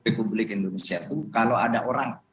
republik indonesia itu kalau ada orang